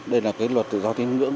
đây là cái luật tự do tiếng ngữ